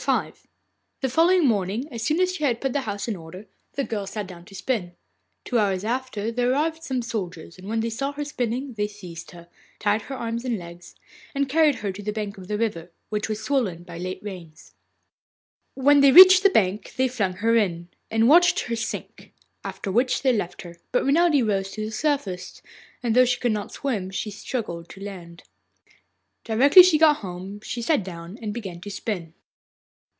V The following morning, as soon as she had put the house in order, the girl sat down to spin. Two hours after there arrived some soldiers, and when they saw her spinning they seized her, tied her arms and legs, and carried her to the bank of the river, which was swollen by the late rains. When they reached the bank they flung her in, and watched her sink, after which they left her. But Renelde rose to the surface, and though she could not swim she struggled to land. Directly she got home she sat down and began to spin.